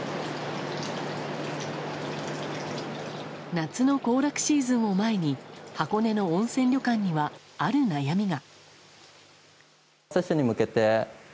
夏の行楽シーズンを前に箱根の温泉旅館には、ある悩みが。